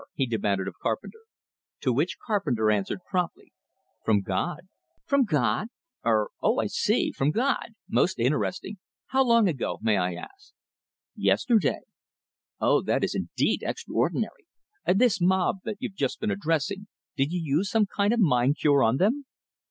he demanded, of Carpenter. To which Carpenter answered, promptly: "From God." "From God? Er oh, I see. From God! Most interesting! How long ago, may I ask?" "Yesterday." "Oh! That is indeed extraordinary! And this mob that you've just been addressing did you use some kind of mind cure on them?"